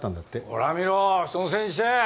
ほら見ろ人のせいにして。